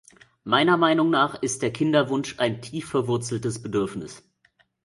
Meiner Meinung nach ist der Kinderwunsch ein tief verwurzeltes Bedürfnis.